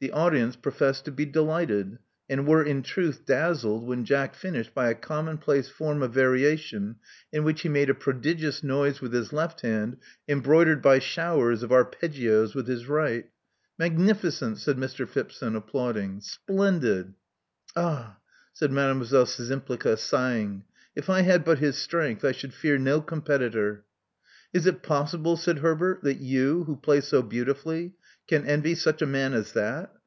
The audience professed to be delighted, and were in truth dazzled when Jack finished by a commonplace form of variation in which he made a prodigious noise with his left hand, embroidered by showers of arpeggios with his right. *' Magnificent!" said Mr, Phipson, applauding. '* Splendid.*' '*Ah!'* said Mdlle. Szczympliga, sighing, if I had but his strength, I should fear no competitor." "Is it possible," said Herbert, that you, who play so beautifully, can envy such a man as that.